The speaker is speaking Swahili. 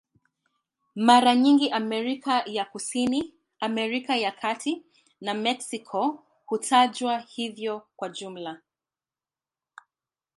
Mara nyingi Amerika ya Kusini, Amerika ya Kati na Meksiko hutajwa hivyo kwa jumla.